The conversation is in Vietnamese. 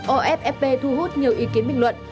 offp thu hút nhiều ý kiến bình luận